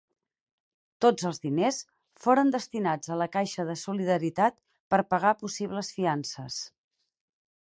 Tots els diners foren destinats a la Caixa de Solidaritat per pagar possibles fiances.